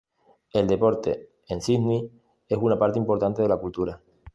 El deporte en Sídney es una parte importante de la cultura.